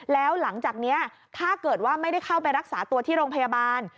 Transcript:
แล้วหลังจากนี้ถ้าเกิดว่าไม่ได้เข้าไปรักษาตัวที่โรงพยาบาล